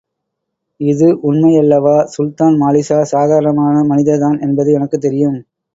இது உண்மையல்லவா? சுல்தான் மாலிக்ஷா சாதாரண மனிதர்தான் என்பது எனக்குத் தெரியும்.